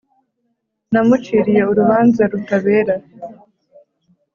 namuciriye urubanza rutabera.